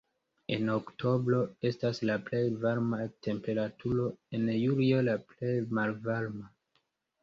En oktobro estas la plej varma temperaturo, en julio la plej malvarma.